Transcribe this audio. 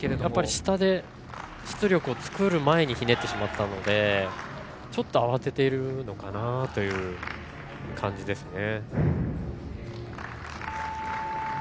下で出力を作る前にひねってしまったのでちょっと慌てているのかなという感じですね。